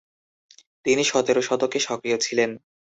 তিনি সতেরো শতকে সক্রিয় ছিলেন।